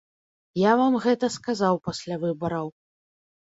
Я вам гэта сказаў пасля выбараў.